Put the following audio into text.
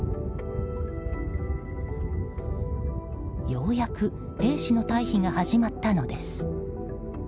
ようやく兵士の退避が始まったのです。